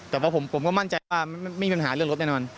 แต่ว่าผมก็มั่นใจว่าไม่มีปัญหาเรื่องรถแน่นอน